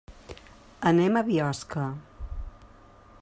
Anem a Biosca.